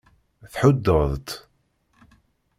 Thuddeḍ-t.